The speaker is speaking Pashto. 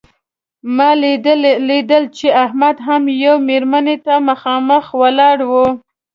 ما لیدل چې احمد هم یوې مېرمنې ته مخامخ ولاړ و.